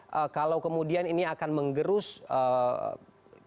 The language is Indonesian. dan ada seperti pesimistis kalau kemudian ini akan menggerus kepercayaan publik